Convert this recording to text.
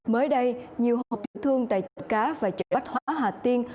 mới đây nhiều hộp thị thương tại chợ cá và chợ bách hóa hà tiên